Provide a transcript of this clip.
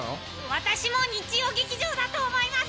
私も日曜劇場だと思います。